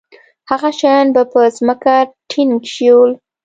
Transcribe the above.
هغه شیان به په ځمکه ټینګ شول.